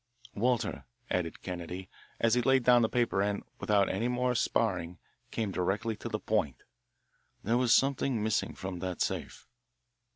"Walter," added Kennedy, as he laid down the paper and, without any more sparring, came directly to the point, "there was something missing from that safe."